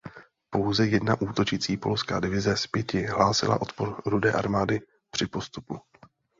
Pouze jedna útočící polská divize z pěti hlásila odpor Rudé armády při postupu.